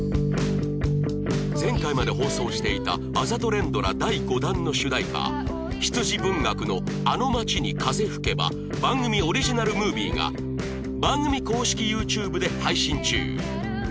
前回まで放送していたあざと連ドラ第５弾の主題歌羊文学の『あの街に風吹けば』番組オリジナルムービーが番組公式 ＹｏｕＴｕｂｅ で配信中